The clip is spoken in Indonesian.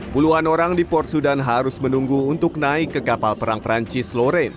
puluhan orang di port sudan harus menunggu untuk naik ke kapal perang perancis loren